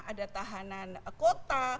ada tahanan kota